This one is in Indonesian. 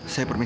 tapi pak tama